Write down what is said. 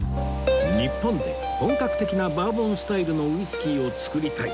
「日本で本格的なバーボンスタイルのウイスキーを造りたい！」